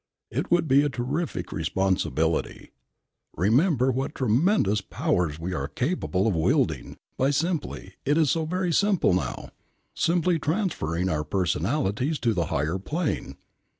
It would be a terrific responsibility. Remember what tremendous powers we are capable of wielding by simply it is so very simple now simply transferring our personalities to the higher plane.